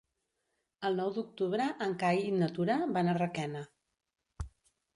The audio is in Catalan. El nou d'octubre en Cai i na Tura van a Requena.